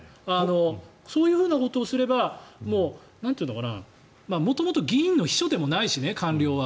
そういうふうなことをすれば元々、議員の秘書でもないしね官僚は。